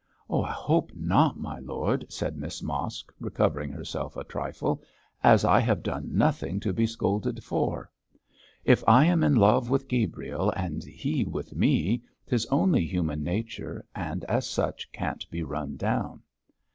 'I hope not, my lord!' said Miss Mosk, recovering herself a trifle, 'as I have done nothing to be scolded for. If I am in love with Gabriel, and he with me, 'tis only human nature, and as such can't be run down.'